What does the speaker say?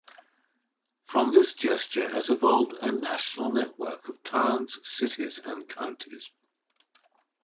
From this gesture has evolved a national network of towns, cities and counties.